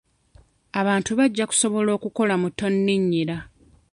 Abantu bajja kusobola okukola mu ttonninnyira.